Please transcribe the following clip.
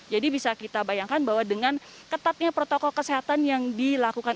dan kita bayangkan bahwa dengan ketatnya protokol kesehatan yang dilakukan